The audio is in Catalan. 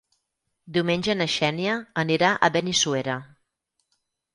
Diumenge na Xènia anirà a Benissuera.